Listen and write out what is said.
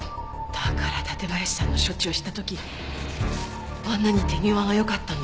だから館林さんの処置をした時あんなに手際がよかったんだ。